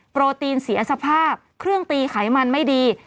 โปรตีนเสียสภาพเครื่องตีไขมันไม่ดี